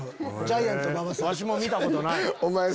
ワシも見たことない。